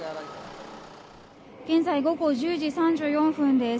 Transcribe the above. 現在午後１０時３４分です。